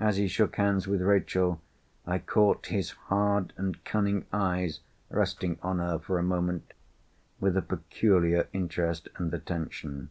As he shook hands with Rachel, I caught his hard and cunning eyes resting on her for a moment with a peculiar interest and attention.